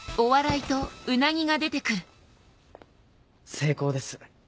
成功です。